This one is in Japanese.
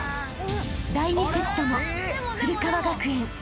［第２セットも古川学園］